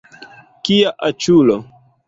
Kia aĉulo!